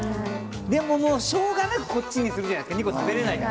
でももう、しょうがなくこっちにするじゃないですか、２個食べれないから。